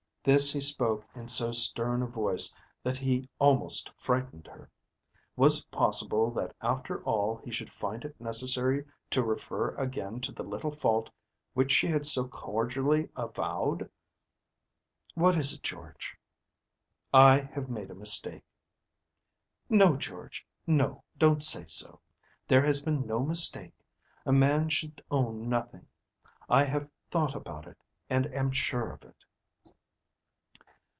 This he spoke in so stern a voice that he almost frightened her. Was it possible that after all he should find it necessary to refer again to the little fault which she had so cordially avowed? "What is it, George?" "I have made a mistake." "No, George, no, don't say so. There has been no mistake. A man should own nothing. I have thought about it and am sure of it."